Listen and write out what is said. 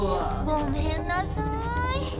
ごめんなさい。